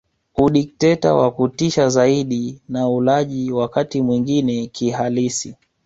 Udikteta wa kutisha zaidi na ulaji wakati mwingine kihalisi